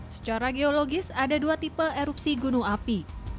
secara geologis ada dua tipe erupsi gunung api